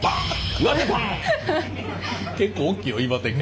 結構おっきいよ岩手県。